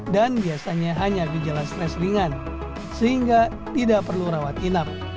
dan biasanya hanya gejala stres ringan sehingga tidak perlu rawat inap